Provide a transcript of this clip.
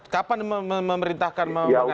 kapan memerintahkan memakai kaos